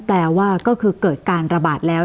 แปลว่าก็คือเกิดการระบาดแล้ว